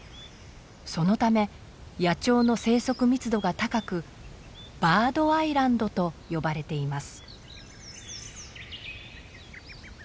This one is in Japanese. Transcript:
そのため野鳥の生息密度が高く「バードアイランド」と呼ばれています。